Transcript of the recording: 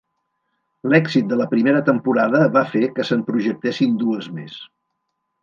L'èxit de la primera temporada va fer que se'n projectessin dues més.